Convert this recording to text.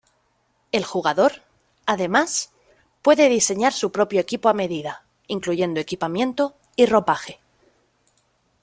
El jugador, además, puede diseñar su propio equipo a medida, incluyendo equipamiento y ropaje.